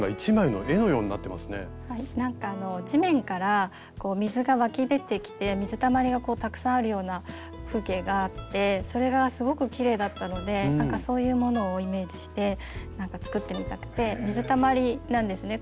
なんかあの地面から水が湧き出てきて水たまりがたくさんあるような風景があってそれがすごくきれいだったのでそういうものをイメージして作ってみたくて水たまりなんですね